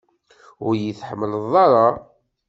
Ur iyi-tḥemmleḍ ara?